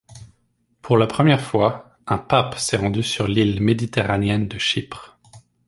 Pour la première fois, un pape s'est rendu sur l'île méditerranéenne de Chypre.